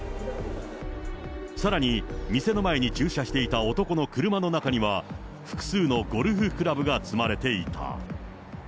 さらに店の前に駐車していた男の車の中には、複数のゴルフクラブが積まれていた。